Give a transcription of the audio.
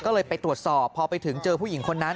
ก็เลยไปตรวจสอบพอไปถึงเจอผู้หญิงคนนั้น